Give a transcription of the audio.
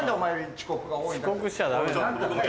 遅刻しちゃダメ。